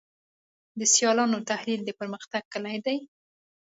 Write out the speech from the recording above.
د سیالانو تحلیل د پرمختګ کلي ده.